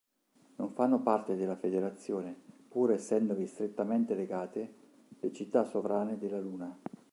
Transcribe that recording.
Non fanno parte della Federazione, pur essendovi strettamente legate, le città sovrane della Luna.